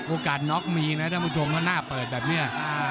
โอกาสน็อกมีนะท่านผู้ชมว่าหน้าเปิดแบบนี้